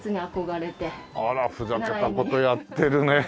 あらふざけた事やってるねえ。